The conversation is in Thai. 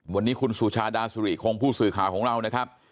วันนี้คุณสุชาดาสุริคงผู้สื่อข่าวของเรานะครับ